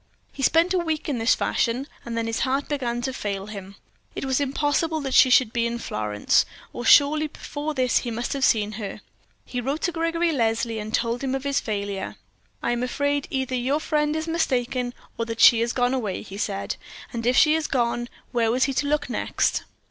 He spent a week in this fashion, and then his heart began to fail him; it was impossible that she should be in Florence, or surely before this he must have seen her. He wrote to Gregory Leslie and told him of his failure. "I am afraid either your friend is mistaken or that she has gone away," he said. And if she had gone, where was he to look next?